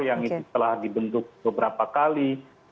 yang telah dibentuk beberapa kali